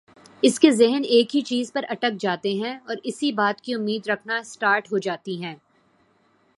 ان کے ذہن ایک ہی چیز پر اٹک جاتے ہیں اور اسی بات کی امید رکھنا اسٹارٹ ہو جاتی ہیں